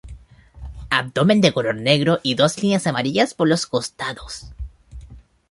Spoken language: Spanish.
Abdomen de color negro y dos líneas amarillas por los costados.